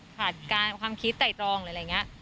ผ่านความคิดใต้ตรองอะไรอย่างนี้